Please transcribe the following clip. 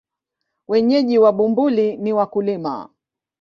Wenyeji wa Bumbuli ni wakulima.